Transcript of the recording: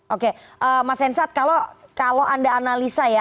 oke mas hensat kalau anda analisa ya